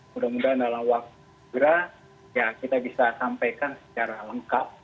mudah mudahan dalam waktu segera ya kita bisa sampaikan secara lengkap